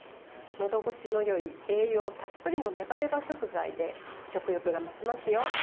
のどごしのよい栄養たっぷりのネバネバ食材で食欲が増しますよ。